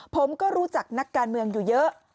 ผมก็รู้จักนักการเมืองอยู่เยอะ